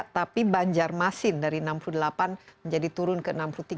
tapi banjarmasin dari enam puluh delapan menjadi turun ke enam puluh tiga